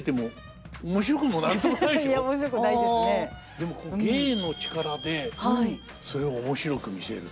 でも芸の力でそれを面白く見せるという。